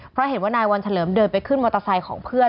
เพราะเห็นว่านายวันเฉลิมเดินไปขึ้นมอเตอร์ไซค์ของเพื่อน